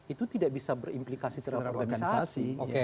itu tidak bisa berimplikasi terhadap organisasi